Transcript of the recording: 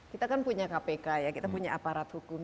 kita kan punya kpk ya kita punya aparat hukum